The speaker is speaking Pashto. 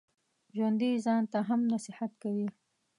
ژوندي ځان ته هم نصیحت کوي